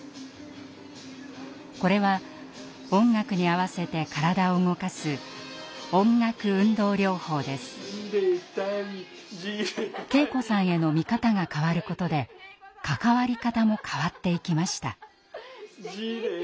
これは音楽に合わせて体を動かす圭子さんへの見方が変わることで関わり方も変わっていきました。